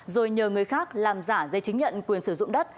rồi nhờ người khác làm giả giấy chứng nhận quyền sử dụng đất